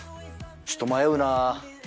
ちょっと迷うな。